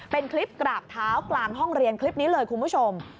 เป็นคลิปกราบเท้ากลางห้องเรียนคลิปนี้เลยคุณผู้ชม